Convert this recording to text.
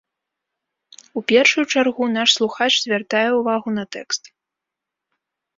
У першую чаргу наш слухач звяртае ўвагу на тэкст.